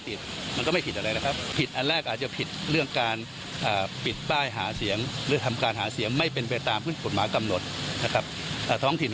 ถ้าพบว่าผิดก็ผิดก็ต้องเดินเป็นคดี